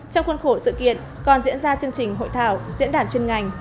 trong khuôn khổ sự kiện còn diễn ra chương trình hội thảo diễn đàn chuyên ngành